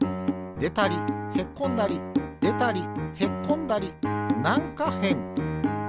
でたりへっこんだりでたりへっこんだりなんかへん。